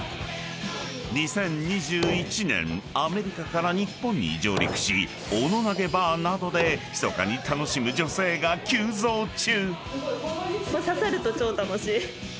［２０２１年アメリカから日本に上陸しオノ投げＢＡＲなどでひそかに楽しむ女性が急増中！］